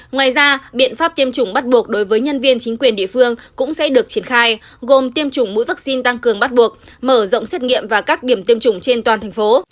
ngoài ra biện pháp tiêm chủng bắt buộc đối với nhân viên chính quyền địa phương cũng sẽ được triển khai gồm tiêm chủng mũi vaccine tăng cường bắt buộc mở rộng xét nghiệm và các điểm tiêm chủng trên toàn thành phố